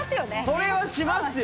それはしますよ。